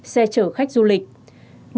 xe chở khách du lịch